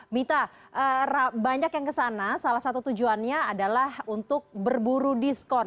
mita banyak yang kesana salah satu tujuannya adalah untuk berburu diskon